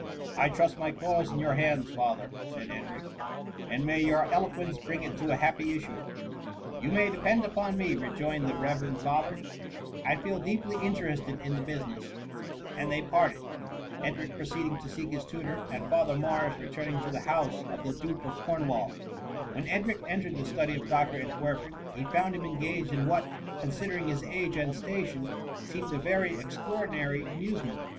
" I trust my cause in your hands, father,^' said Edric and may your eloquence bring it tp a happy issue.''^ ^^ You may depend upon me,^ rejoined the reverend father ;•* I feel deeply interested in the business f ^ and they parted, Edric proceeding to seek his tutor, and Father Morris returning to the house of the Duke of Cornwall, When Edric entered the study pf Dr. Ent werfen, he found him engaged in what, consi dering his age and station, seemed a very extra ordinary amusement.